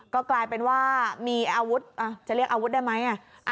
ก็กลายเป็นว่ามีอาวุธจะเรียกอาวุธได้ไหม